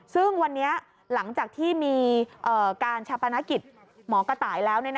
ซึ่งวันนี้หลังจากที่มีการชาปนกิจหมอกระต่ายแล้ว